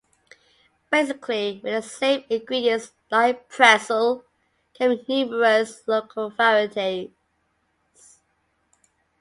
Basically, with the same ingredients, lye pretzels come in numerous local varieties.